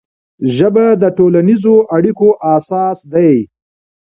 ژبه د ټولنیزو اړیکو اساس دی